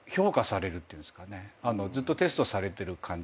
ずっとテストされてる感じ。